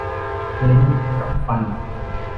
ลิ้นกับฟัน